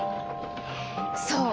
そう！